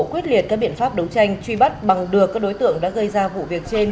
quyết liệt các biện pháp đấu tranh truy bắt bằng được các đối tượng đã gây ra vụ việc trên